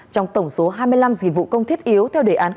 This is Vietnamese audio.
trong tổng số hai mươi năm dịch vụ công thiết yếu theo đề án sáu